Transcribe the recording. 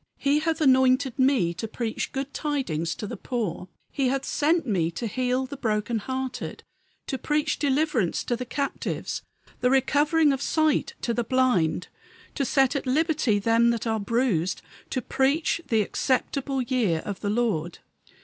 He hath anointed me to preach good tidings to the poor; He hath sent me to heal the broken hearted; To preach deliverance to the captives; The recovering of sight to the blind; To set at liberty them that are bruised; To preach the acceptable year of the Lord."